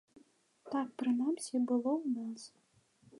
Так, прынамсі, было ў нас.